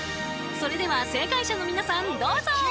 それでは正解者の皆さんどうぞ！